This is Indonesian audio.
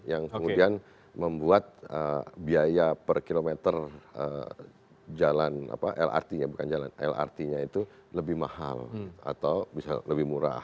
yang kemudian membuat biaya per kilometernya jalan lrt nya itu lebih mahal atau bisa lebih murah